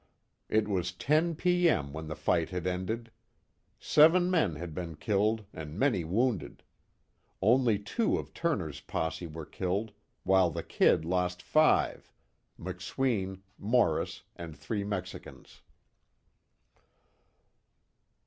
It was 10 P. M. when the fight had ended. Seven men had been killed and many wounded. Only two of Turner's posse were killed, while the "Kid" lost five, McSween, Morris and three Mexicans.